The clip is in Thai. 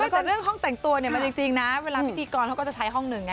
แต่เรื่องห้องแต่งตัวเนี่ยมันจริงนะเวลาพิธีกรเขาก็จะใช้ห้องหนึ่งไง